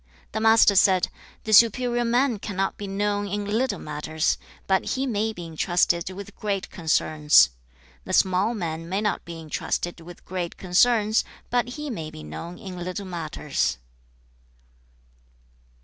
The Master said, 'The superior man cannot be known in little matters; but he may be intrusted with great concerns. The small man may not be intrusted with great concerns, but he may be known in little matters.'